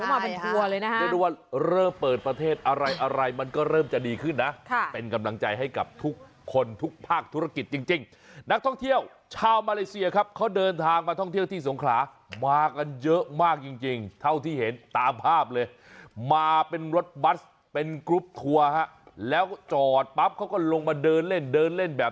มาเป็นทัวร์เลยนะคะเรียกได้ว่าเริ่มเปิดประเทศอะไรอะไรมันก็เริ่มจะดีขึ้นนะค่ะเป็นกำลังใจให้กับทุกคนทุกภาคธุรกิจจริงนักท่องเที่ยวชาวมาเลเซียครับเขาเดินทางมาท่องเที่ยวที่สงขลามากันเยอะมากจริงจริงเท่าที่เห็นตามภาพเลยมาเป็นรถบัสเป็นกรุ๊ปทัวร์ฮะแล้วจอดปั๊บเขาก็ลงมาเดินเล่นเดินเล่นแบบ